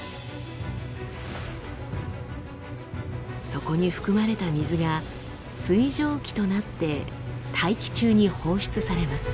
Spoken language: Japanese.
そこに含まれた水が水蒸気となって大気中に放出されます。